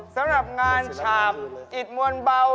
สำหรับงานฉาบอิดมวลเบา